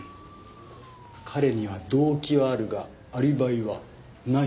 彼には動機はあるがアリバイはない。